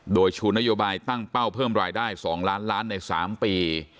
โดยชูนโยบายตั้งเป้าเพิ่มรายได้๒ล้านล้านใน๓ปี